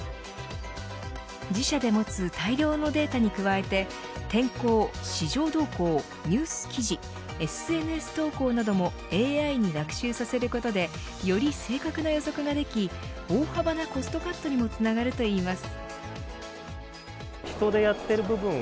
自社で持つ大量のデータに加えて天候、市場動向ニュース記事、ＳＮＳ投稿などもＡＩに学習させることでより正確な予測ができ大幅なコストカットにもつながるといいます。